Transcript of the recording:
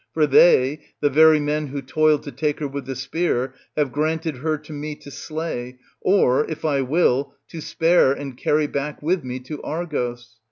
For they, — the very men who toiled to take her with the spear, — ^have granted her to me to slay, or, if I will, to spare and carry back with me to Aigos.